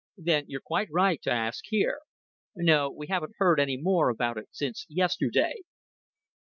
Then you're quite right to ask here. No, we haven't heard any more about it since yesterday."